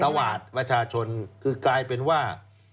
วาดประชาชนคือกลายเป็นว่า